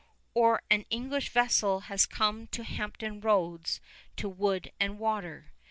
Or an English vessel has come to Hampton Roads to wood and water.